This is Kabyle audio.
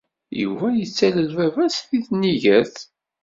Yuba yettalel baba-s deg tnigert.